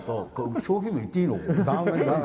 商品名言っていいの？